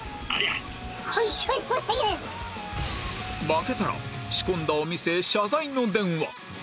負けたら仕込んだお店へ謝罪の電話